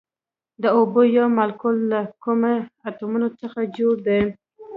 د اوبو یو مالیکول له کومو اتومونو څخه جوړ دی